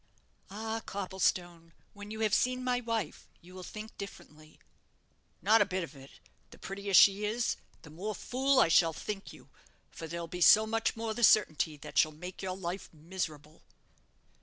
"Ah, Copplestone, when you have seen my wife, you will think differently." "Not a bit of it. The prettier she is, the more fool I shall think you; for there'll be so much the more certainty that she'll make your life miserable."